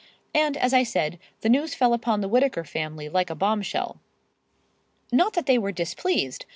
And, as I said, the news fell upon the Whittaker family like a bombshell. Not that they were displeased!